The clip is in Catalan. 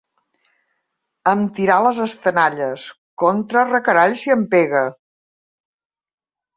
Em tirà les estenalles; contrarecarall, si em pega!